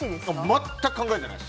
全く考えてない。